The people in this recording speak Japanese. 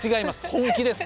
本気です。